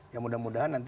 ya mudah mudahan nanti